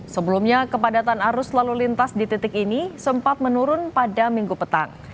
sebelumnya kepadatan arus lalu lintas di titik ini sempat menurun pada minggu petang